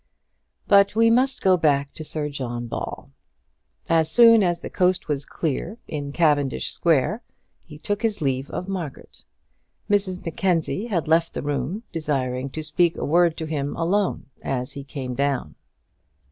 But we must go back to Sir John Ball. As soon as the coast was clear in Cavendish Square, he took his leave of Margaret. Mrs Mackenzie had left the room, desiring to speak a word to him alone as he came down.